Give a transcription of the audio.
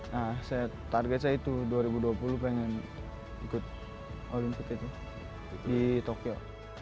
nah target saya itu dua ribu dua puluh pengen ikut olympic itu di tokyo